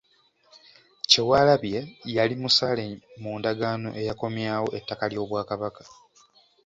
Kyewalabye yali musaale mu ndagaano eyakomyawo ettaka ly’Obwakabaka.